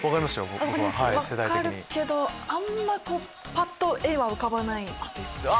僕は世代的に。分かるけどあんまぱっと絵は浮かばないです。